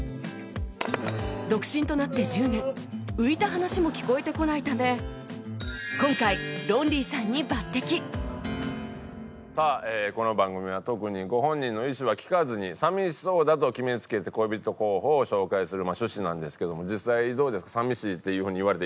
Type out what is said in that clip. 独身となって１０年浮いた話も聞こえてこないため今回さあこの番組は特にご本人の意思は聞かずに寂しそうだと決めつけて恋人候補を紹介する趣旨なんですけども実際どうですか？